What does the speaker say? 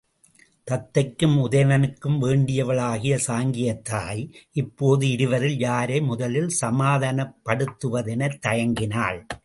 தத்தைக்கும் உதயணனுக்கும் வேண்டியவளாகிய சாங்கியத் தாய் இப்போது இருவரில் யாரை முதலில் சமாதானப்படுத்துவதெனத் தயங்கினாள்.